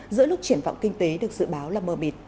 giữa lúc triển vọng kinh tế được dự báo là mờ mịt